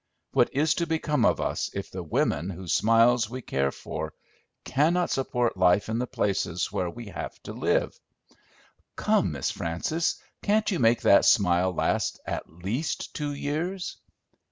What is to become of us if the women whose smiles we care for cannot support life in the places where we have to live? Come, Miss Frances, can't you make that smile last at least two years?"